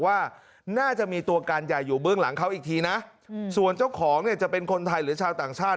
ว่าน่าจะมีตัวการใหญ่อยู่เบื้องหลังเขาอีกทีนะส่วนเจ้าของเนี่ยจะเป็นคนไทยหรือชาวต่างชาติ